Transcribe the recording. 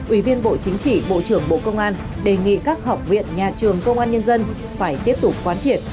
ủy viên bộ chính trị bộ trưởng bộ công an đề nghị các học viện nhà trường công an nhân dân phải tiếp tục quán triệt